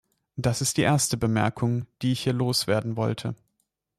Das ist die erste Bemerkungen, die ich hier loswerden wollte.